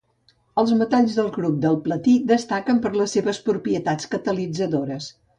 Els metalls del grup del platí destaquen per les seves propietats catalitzadores.